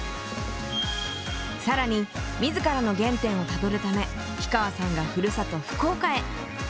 更に自らの原点をたどるため氷川さんがふるさと福岡へ。